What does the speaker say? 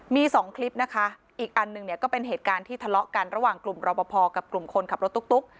มีสองคลิปนะคะอีกอันหนึ่งเนี่ยก็เป็นเหตุการณ์ที่ทะเลาะกันระหว่างกลุ่มรอปภกับกลุ่มคนขับรถตุ๊ก